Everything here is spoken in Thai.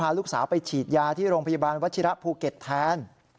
ลูกสาวไปฉีดยาที่โรงพยาบาลวัชิระภูเก็ตแทน